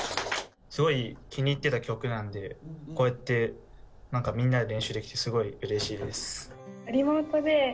すごい気に入ってた曲なんでこうやって何かみんなで練習できてすごいうれしいです。